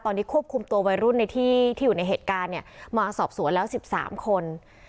ตอนนี้ควบคุมตัววัยรุ่นในที่อยู่ในเหตุการณ์มาสอบสวนแล้ว๑๓คน